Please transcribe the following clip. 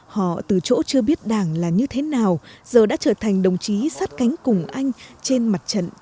họ từ chỗ chưa biết đảng là như thế nào giờ đã trở thành đồng chí sát cánh cùng anh trên mặt trận chống lại giặc đội